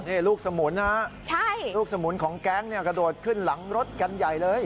นี่ลูกสมุนฮะลูกสมุนของแก๊งเนี่ยกระโดดขึ้นหลังรถกันใหญ่เลย